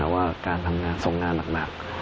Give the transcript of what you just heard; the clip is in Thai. ว่าการทำงานทรงงานหนัก